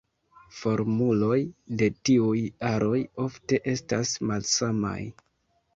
Formuloj de tiuj aroj ofte estas malsamaj.